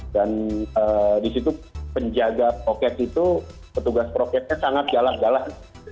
dan di situ penjaga prokes itu petugas prokesnya sangat galah galah